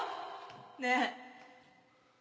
ねえ。